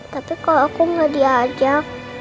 tapi kalo aku gak diajak